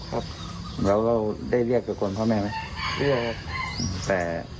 ครับแล้วก็ได้เรียกทุกคนพ่อแม่ไหมเรียกครับแต่